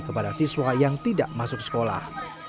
kepada siswa yang tidak masuk sekolah